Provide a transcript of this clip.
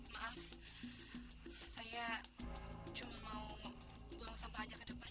maaf saya cuma mau buang sampah aja ke depan